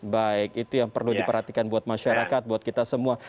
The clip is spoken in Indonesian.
baik itu yang perlu diperhatikan buat masyarakat buat kita semua